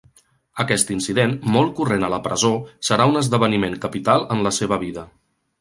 Aquest incident, molt corrent a la presó, serà un esdeveniment capital en la seva vida.